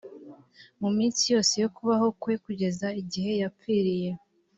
mu minsi yose yo kubaho kwe kugeza igihe yapfiriye